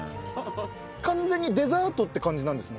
完全にデザートって感じなんですもんね？